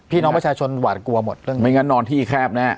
พี่น้องประชาชนหวาดกลัวหมดเรื่องไม่งั้นนอนที่แคบแน่